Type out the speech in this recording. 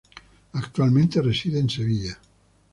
Actualmente reside en Sevilla.